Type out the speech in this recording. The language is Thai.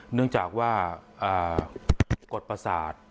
เนื่องจากว่ากฎประสาท